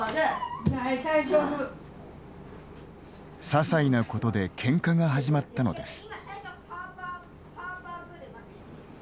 ささいなことでけんかが始まったのです。